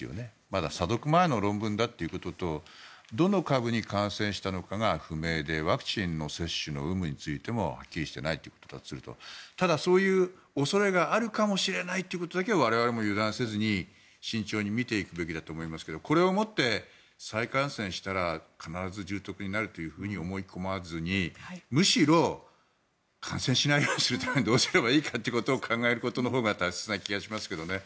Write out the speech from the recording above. まだ査読前の論文だということとどの株に感染したのかが不明でワクチンの接種の有無についてもはっきりしていないということだとするとただ、そういう恐れがあるかもしれないということだけは我々も油断せずに慎重に見ていくべきだと思いますがこれをもって再感染したら必ず重篤になると思い込まずにむしろ感染しないようにするためにはどうすればいいかということを考えることのほうが大切な気がしますけどね。